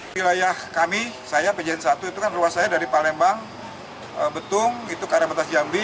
wilayah kami saya pjn satu itu kan ruas saya dari palembang betung itu ke arah bekas jambi